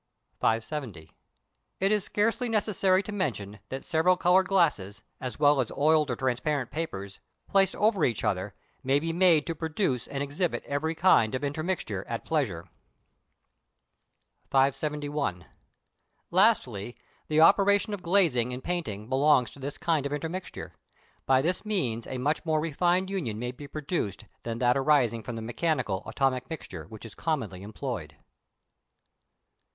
570. It is scarcely necessary to mention that several coloured glasses, as well as oiled or transparent papers, placed over each other, may be made to produce and exhibit every kind of intermixture at pleasure. 571. Lastly, the operation of glazing in painting belongs to this kind of intermixture; by this means a much more refined union may be produced than that arising from the mechanical, atomic mixture which is commonly employed.